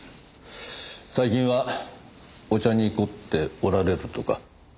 最近はお茶に凝っておられるとか？